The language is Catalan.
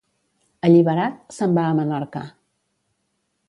Alliberat, se'n va a Menorca.